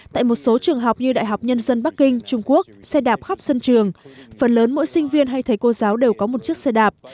tại một số trường học như đại học nhân dân bắc kinh trung quốc xe đạp khắp sân trường phần lớn mỗi sinh viên hay thầy cô giáo đều có một chiếc xe đạp